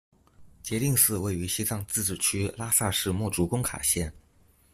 杰定寺位于西藏自治区拉萨市墨竹工卡县。